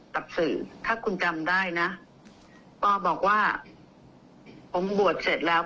กับสื่อถ้าคุณจำได้นะปอบอกว่าผมบวชเสร็จแล้ว